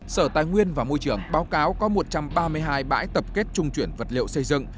sở tài nguyên và môi trường báo cáo có một trăm ba mươi hai bãi tập kết trung chuyển vật liệu xây dựng